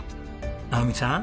直己さん